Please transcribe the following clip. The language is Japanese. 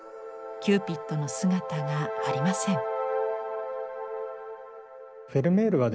キューピッドの姿がありません。